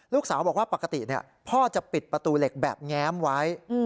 ลูกสาวบอกว่าปกติพ่อจะปิดประตูเหล็กแบบแง้มไว้